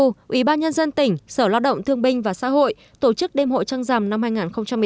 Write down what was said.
ủy ban nhân dân tỉnh sở lao động thương binh và xã hội tổ chức đêm hội trăng rằm năm hai nghìn một mươi chín